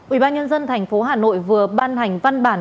ubnd tp hà nội vừa ban hành văn bản